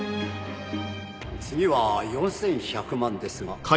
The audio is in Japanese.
「次は４１００万ですが」